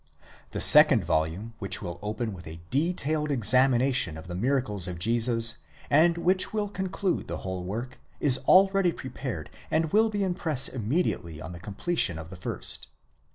The second volume, which will open with a detailed examination of the niracles of Jesus, and which will conclude the whole work, is already prepared ind will be in the press immediately on the completion of the first.